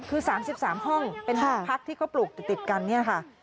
คือสามสิบสามห้องเป็นหลักพักที่เขาปลูกติดกันนี่ค่ะ